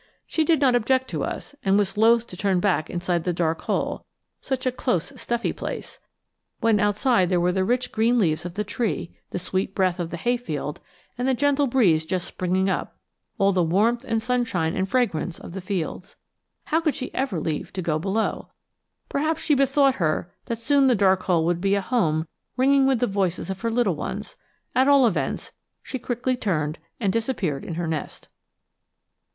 She did not object to us, and was loath to turn back inside the dark hole such a close stuffy place when outside there were the rich green leaves of the tree, the sweet breath of the hayfield and the gentle breeze just springing up; all the warmth and sunshine and fragrance of the fields. How could she ever leave to go below? Perhaps she bethought her that soon the dark hole would be a home ringing with the voices of her little ones; at all events, she quickly turned and disappeared in her nest.